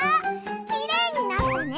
きれいになったね！